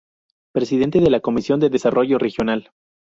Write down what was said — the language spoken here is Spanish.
Presidente de la Comisión de Desarrollo Regional.